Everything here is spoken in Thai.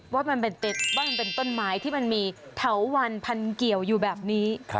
ว่ามันเป็นเต็ดว่ามันเป็นต้นไม้ที่มันมีเถาวันพันเกี่ยวอยู่แบบนี้